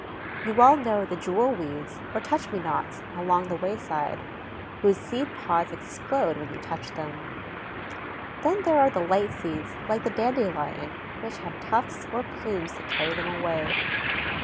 You all know the jewel weeds, or touch me nots, along the wayside, whose seed pods explode when you touch them. Then there are light seeds, like the dandelion, which have tufts or plumes to carry them away.